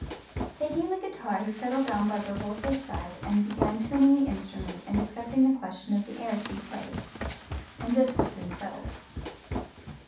Taking the guitar he settled down by Barboza's side and began tuning the instrument and discussing the question of the air to be played. And this was soon settled.